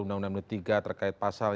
undang undang menitiga terkait pasal